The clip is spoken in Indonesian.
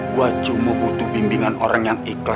gue cuma butuh bimbingan orang yang iklan